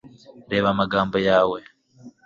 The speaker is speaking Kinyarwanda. reba amagambo yawe